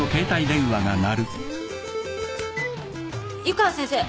湯川先生。